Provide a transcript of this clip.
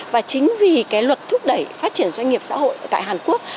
và chính vì cái luật thúc đẩy phát triển doanh nghiệp xã hội tại hàn quốc